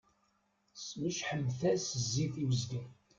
Smecḥemt-as zzit i wezger.